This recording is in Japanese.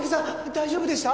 大丈夫でした！？